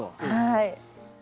はい。